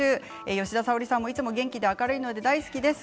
吉田沙保里さんもいつも明るく元気なので大好きです。